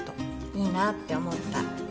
いいなあって思った。